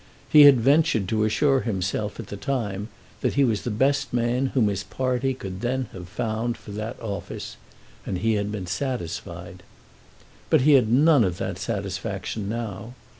He had ventured to assure himself at the time that he was the best man whom his party could then have found for that office, and he had been satisfied. But he had none of that satisfaction now.